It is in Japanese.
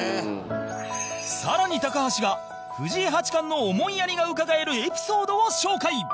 更に、高橋が藤井八冠の思いやりがうかがえるエピソードを紹介